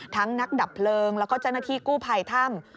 นักดับเพลิงแล้วก็เจ้าหน้าที่กู้ภัยถ้ำ